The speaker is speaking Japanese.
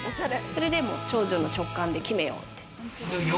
それで長女の直感で決めようって。